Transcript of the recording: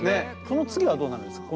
その次はどうなるんですか？